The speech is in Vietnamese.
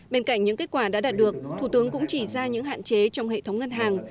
bên cạnh những kết quả đã đạt được thủ tướng cũng chỉ ra những hạn chế trong hệ thống ngân hàng